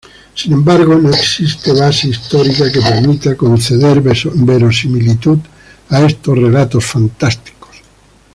Sin embargo, no existe base histórica que permita conceder verosimilitud a estos relatos fantásticos.